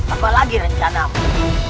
apa lagi rencanamu